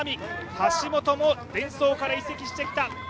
橋本もデンソーから移籍してきた。